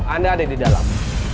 anda ada di dalam